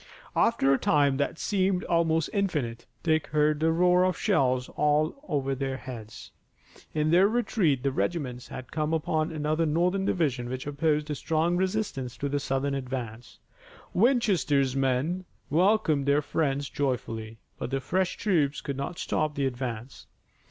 After a time that seemed almost infinite, Dick heard the roar of shells over their heads. In their retreat the regiments had come upon another Northern division which opposed a strong resistance to the Southern advance. Winchester's men welcomed their friends joyfully. But the fresh troops could not stop the advance.